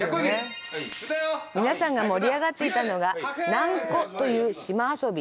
皆さんが盛り上がっていたのが「ナンコ」という島遊び。